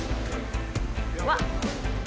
うわっ。